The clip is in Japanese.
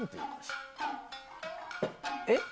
えっ？